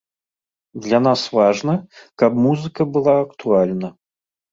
Для нас важна, каб музыка была актуальна.